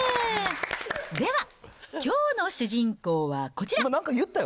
では、きょうの主人公はこちら。